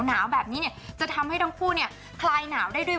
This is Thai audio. หนาวแบบนี้เนี่ยจะทำให้ทั้งคู่เนี่ยคลายหนาวได้ด้วย